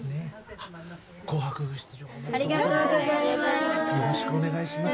ありがとございます。